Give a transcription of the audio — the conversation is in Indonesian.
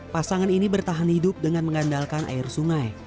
pasangan ini bertahan hidup dengan mengandalkan air sungai